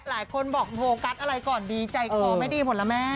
หลายคนบอกโฟกัสอะไรก่อนดีใจคอไม่ดีหมดแล้วแม่